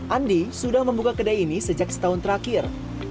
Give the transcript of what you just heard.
andi sudah membuka kedai ini sejak setahun terakhir